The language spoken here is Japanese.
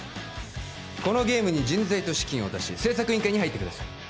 このゲームに人材と資金を出し製作委員会に入ってください